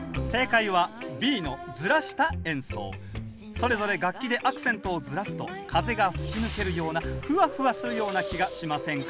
それぞれ楽器でアクセントをずらすと風が吹き抜けるようなフワフワするような気がしませんか？